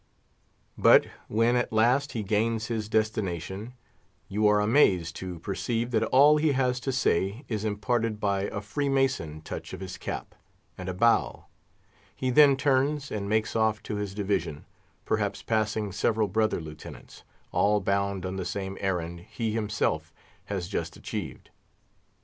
But when at last he gains his destination, you are amazed to perceive that all he has to say is imparted by a Freemason touch of his cap, and a bow. He then turns and makes off to his division, perhaps passing several brother Lieutenants, all bound on the same errand he himself has just achieved.